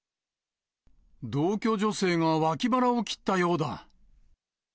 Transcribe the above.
同居女性が脇腹を切ったようだ。